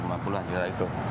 satu ratus lima puluh an juga itu